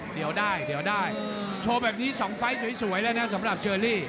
เดี๋ยวได้เดี๋ยวได้โชว์แบบนี้๒ไฟล์สวยแล้วนะสำหรับเชอรี่